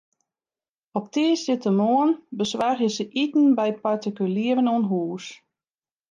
Op tiisdeitemoarn besoargje se iten by partikulieren oan hûs.